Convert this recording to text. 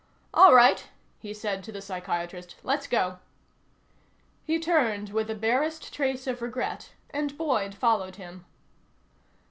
"All right," he said to the psychiatrist, "let's go." He turned with the barest trace of regret, and Boyd followed him.